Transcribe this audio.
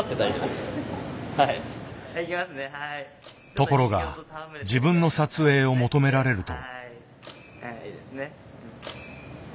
ところが自分の撮影を求められると。